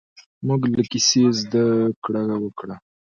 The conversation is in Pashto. موږ له کیسې زده کړه وکړه.